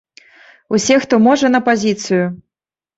Усе, хто можа, на пазіцыю!